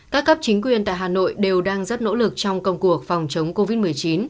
các cấp chính quyền tại hà nội đều đang rất nỗ lực trong công cuộc phòng chống covid một mươi chín